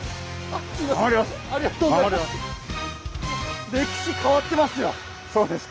ありがとうございます。